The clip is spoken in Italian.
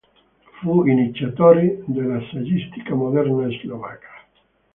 Fu iniziatore della saggistica moderna slovacca.